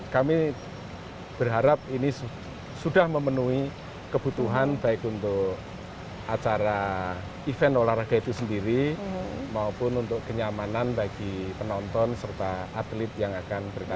kami berharap ini sudah memenuhi kebutuhan baik untuk acara event olahraga itu sendiri maupun untuk kenyamanan bagi penonton serta atlet yang akan bertanding